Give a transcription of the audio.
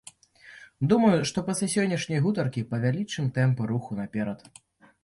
Думаю, што пасля сённяшняй гутаркі павялічым тэмпы руху наперад.